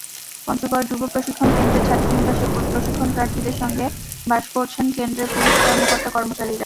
পঞ্চগড় যুব প্রশিক্ষণ কেন্দ্রের ছাত্রীনিবাসে প্রশিক্ষণার্থীদের সঙ্গে বাস করছেন কেন্দ্রের পুরুষ কর্মকর্তা-কর্মচারীরা।